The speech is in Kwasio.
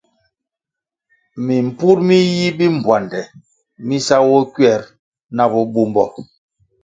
Mimpur mi yi bimbpuande mi sawoh kuer na bo bumbo.